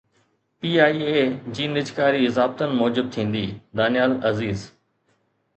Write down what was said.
P I A جي نجڪاري ضابطن موجب ٿيندي: دانيال عزيز